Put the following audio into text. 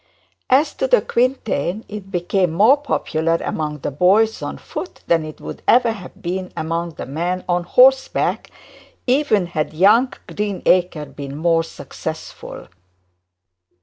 As to the quintain, it became more popular among the boys on foot, than it would ever have been among the men on horseback, even had young Greenacre been more successful.